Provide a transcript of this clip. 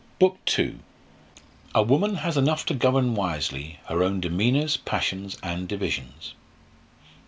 BOOK II. "A woman has enough to govern wisely Her own demeanours, passions and divisions."